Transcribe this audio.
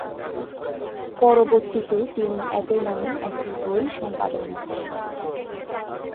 পরবর্তীতে তিনি একই নামে একটি বই সম্পাদনা করেন।